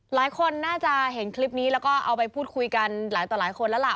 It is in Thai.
หลายคนน่าจะเห็นคลิปนี้แล้วก็เอาไปพูดคุยกันหลายต่อหลายคนแล้วล่ะ